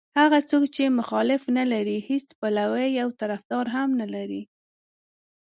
هغه څوک چې مخالف نه لري هېڅ پلوی او طرفدار هم نه لري.